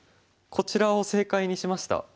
こちらを正解にしました。